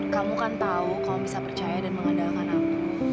kamu kan tahu kalau bisa percaya dan mengandalkan aku